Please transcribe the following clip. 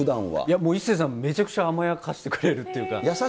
もう一生さん、めちゃくちゃ甘やかしてくれるっていうか。